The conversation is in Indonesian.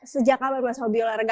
sejak kapan mas hobi olahraga